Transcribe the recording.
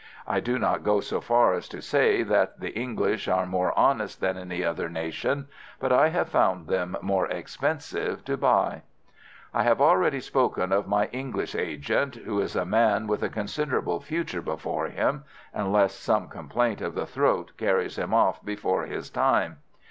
I do not go so far as to say that the English are more honest than any other nation, but I have found them more expensive to buy. "I have already spoken of my English agent—who is a man with a considerable future before him, unless some complaint of the throat carries him off before his time.